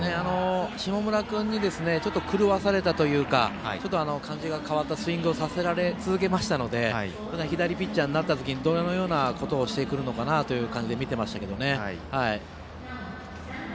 下村君に狂わされたというか感じが変わったスイングをさせられ続けましたので左ピッチャーになった時にどのようなことをしてくるのかなと思って見ていましたけど。